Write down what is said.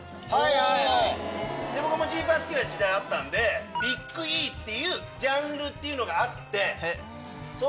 僕もジーパン好きな時代あったんでビッグＥっていうジャンルがあって。